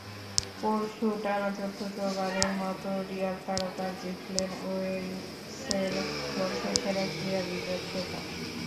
পরশু টানা চতুর্থবারের মতো রিয়াল তারকা জিতলেন ওয়েলসের বর্ষসেরা ক্রীড়াবিদের খেতাব।